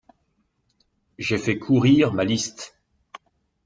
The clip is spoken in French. J'ai fait courir ma liste.